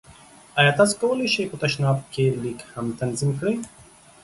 ایا تاسو کولی شئ په تشناب کې لیک هم تنظیم کړئ؟